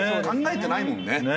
考えてないもんね。